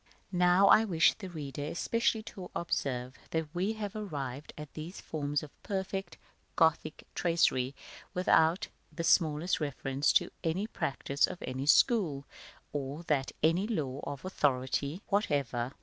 § XI. Now, I wish the reader especially to observe that we have arrived at these forms of perfect Gothic tracery without the smallest reference to any practice of any school, or to any law of authority whatever.